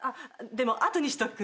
でも後にしとく。